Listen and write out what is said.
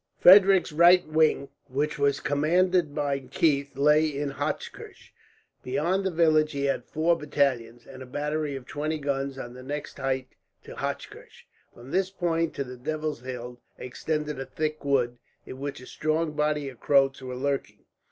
Frederick's right wing, which was commanded by Keith, lay in Hochkirch. Beyond the village he had four battalions, and a battery of twenty guns on the next height to Hochkirch. From this point to the Devil's Hill extended a thick wood, in which a strong body of Croats were lurking.